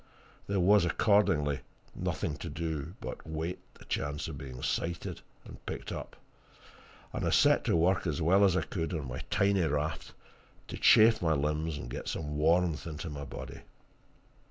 There was accordingly nothing to do but wait the chance of being sighted and picked up, and I set to work, as well as I could on my tiny raft, to chafe my limbs and get some warmth into my body.